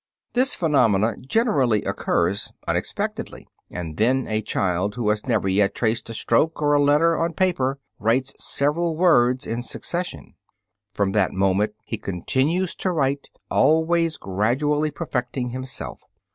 This phenomenon generally occurs unexpectedly, and then a child who has never yet traced a stroke or a letter on paper writes several words in succession. From that moment he continues to write, always gradually perfecting himself.